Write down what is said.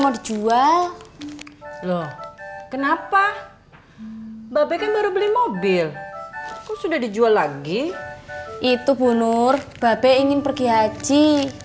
mau dijual loh kenapa mbak beka baru beli mobil sudah dijual lagi itu punur bapak ingin pergi haji